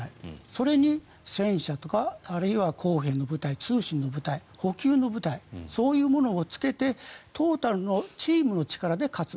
それに戦車とかあるいは工兵の部隊通信の部隊、補給の部隊そういうものをつけてトータルのチームの力で勝つ。